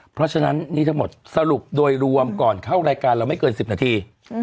เพราะฉะนั้นนี่ทั้งหมดสรุปโดยรวมก่อนเข้ารายการเราไม่เกิน๑๐นาที